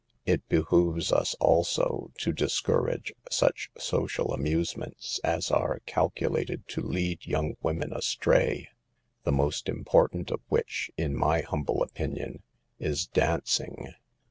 It be hooves us, also, to discourage such social amuse ments as are calculated to lead young women astray, the most important of which, in my humble opinion, is dancing.